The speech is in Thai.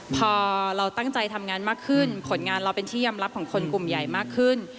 พอเราตั้งใจทำงานมากขึ้นผลงานเราเป็นที่ยอมรับของคนกลุ่มใหญ่มากขึ้น